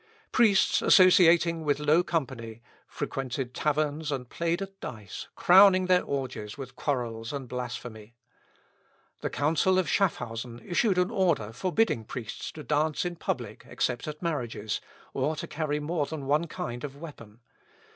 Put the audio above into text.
Priests associating with low company, frequented taverns and played at dice, crowning their orgies with quarrels and blasphemy. The Council of Schaffhausen issued an order forbidding priests to dance in public except at marriages, or to carry more than one kind of weapon.